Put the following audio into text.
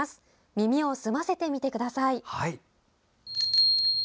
耳を澄ませてみてください。